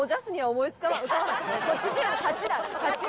こっちチームの勝ちだね。